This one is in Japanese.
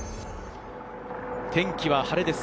天気は晴れです。